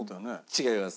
違います。